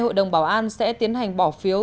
hội đồng bảo an sẽ tiến hành bỏ phiếu